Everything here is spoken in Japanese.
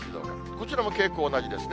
こちらも傾向、同じですね。